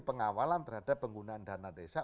pengawalan terhadap penggunaan dana desa